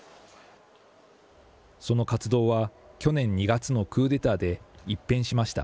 その活動は、去年２月のクーデターで一変しました。